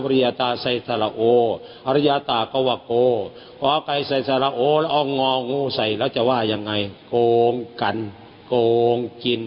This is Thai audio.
เราจะว่ายังไง